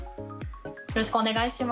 よろしくお願いします。